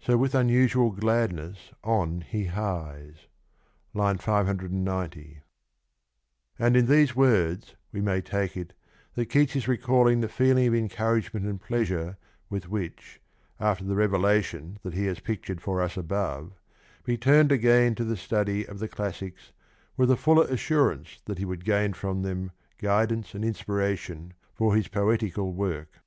So with unusual gladness on he hies. (II. 590) And in these words we may take it that Keats is recalling the feeling of encouragement and pleasure with which, after the revelation that he has pictured for us above, he turned again to the study of the classics with a fuller assurance that he would gain from them guidance and inspiration for his poetical work.